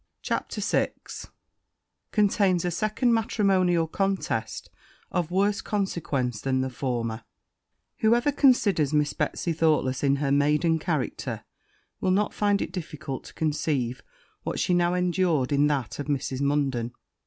CHAPTER VI Contains a second matrimonial contest, of worse consequence than the former Whoever considers Miss Betsy Thoughtless in her maiden character, will not find it difficult to conceive what she now endured in that of Mrs. Munden.